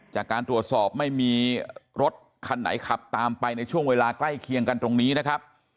จากการตรวจสอบไม่มีรถคันไหนขับตามไปในช่วงเวลาใกล้เคียงกันตรงนี้นะครับ